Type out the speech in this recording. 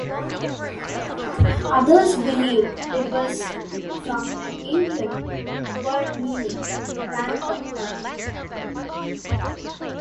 Others believed it was from an Indian word meaning 'panther country'.